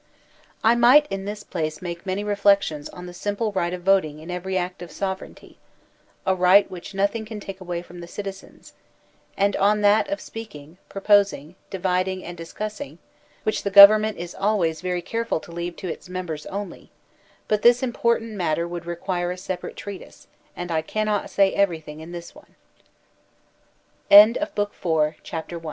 I might in this place make many reflections on the simple right of voting in every act of sovereignty — a right which nothing can take away from the citizens — and on that, of speaking, proposing, dividing, and discussing, which the government is always very careful to leave to Its members only; but this important matter would require a separate treatise, and I cannot say eve